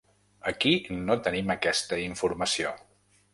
Aquí no tenim aquesta informació.